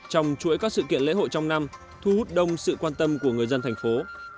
trong chuỗi các sự kiện lễ hội trong năm thu hút đông sự quan tâm của người dân thành phố